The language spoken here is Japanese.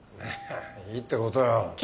あぁいいってことよ。